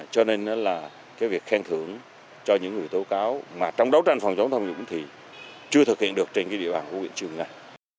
cho nên là cái việc khen thưởng cho những người tố cáo mà trong đấu tranh phòng chống tham nhũng thì chưa thực hiện được trên cái địa bàn của huyện triều nga